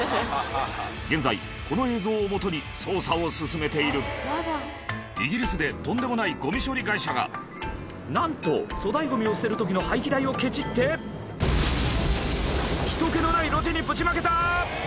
現在この映像をもとに捜査を進めているイギリスでとんでもないゴミ処理会社がなんと粗大ゴミを捨てる時の廃棄代をけちって人けのない路地にぶちまけた！